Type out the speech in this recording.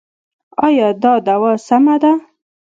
ایا دا دوا سمه ده؟